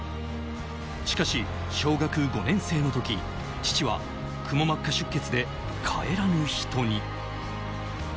しかし小学５年生のとき、父は、くも膜下出血で帰らぬ人に。